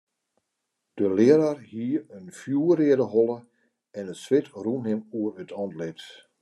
De learaar hie in fjoerreade holle en it swit rûn him oer it antlit.